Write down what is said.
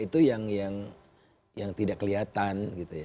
itu yang tidak kelihatan gitu ya